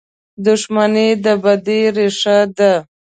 • دښمني د بدۍ ریښه ده.